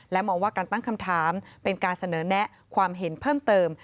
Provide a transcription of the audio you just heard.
มองว่าการตั้งคำถามเป็นการเสนอแนะความเห็นเพิ่มเติม